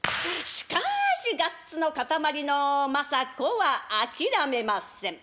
しかしガッツの塊の政子は諦めません。